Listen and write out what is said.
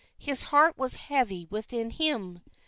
His heart was heavy within him.